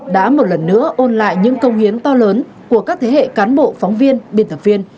đã một lần nữa ôn lại những công hiến to lớn của các thế hệ cán bộ phóng viên biên tập viên